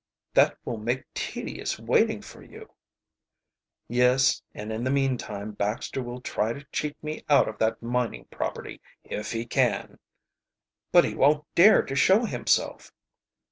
"That will make tedious waiting for you." "Yes, and in the meantime Baxter will try to cheat me out of that mining property, if he can." "But he won't dare to show himself."